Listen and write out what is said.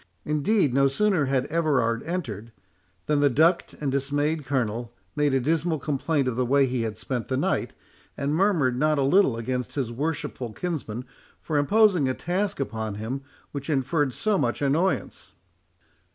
Indeed, no sooner had Everard entered, than the ducked and dismayed Colonel made a dismal complaint of the way he had spent the night, and murmured not a little against his worshipful kinsman for imposing a task upon him which inferred so much annoyance.